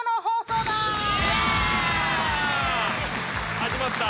始まった！